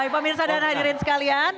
pemirsa dan hadirin sekalian